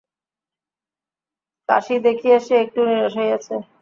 কাশী দেখিয়া সে একটু নিরাশ হইয়াছে।